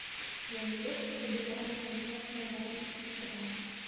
Яны лёгка падрывалі канцэртныя залы і фестывалі.